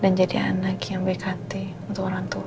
dan jadi anak yang baik hati untuk orang tua